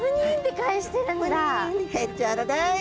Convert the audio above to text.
へっちゃらだい。